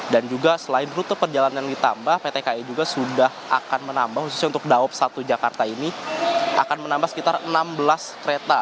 dan juga selain rute perjalanan yang ditambah pt kai juga sudah akan menambah khususnya untuk daob satu jakarta ini akan menambah sekitar enam belas kereta